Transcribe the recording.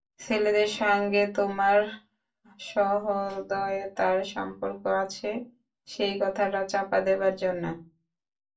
ছেলেদের সঙ্গে তোমার সহৃদয়তার সম্পর্ক আছে সেই কথাটা চাপা দেবার জন্যে।